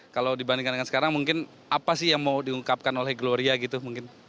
kalau dibandingkan dengan sekarang mungkin apa sih yang mau diungkapkan oleh gloria gitu mungkin